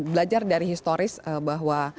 belajar dari historis bahwa